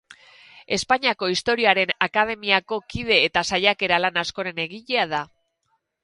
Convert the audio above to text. Espainiako Historiaren Akademiako kide eta saiakera lan askoren egilea da.